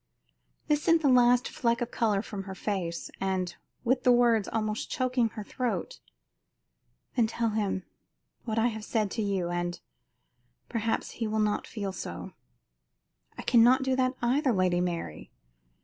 This sent the last fleck of color from her face, and with the words almost choking her throat: "Then tell him what I have said to you and perhaps he will not feel so " "I cannot do that either, Lady Mary.